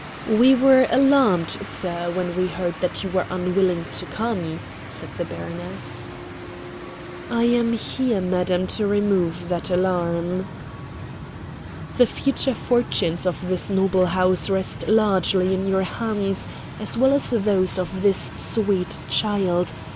"We were alarmed, sir, when we heard that you were unwilling to come," said the baroness. "I am here, madam, to remove that alarm." "The future fortunes of this noble house rest largely in your hands, as well as those of this sweet child.